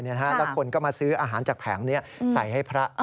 แล้วคนก็มาซื้ออาหารจากแผงนี้ใส่ให้พระ